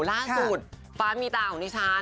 ล่าสุดฟ้ามีตาของดิฉัน